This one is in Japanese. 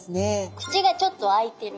口がちょっと開いてる。